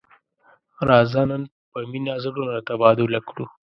راځه نن په مینه زړونه تبادله کړو.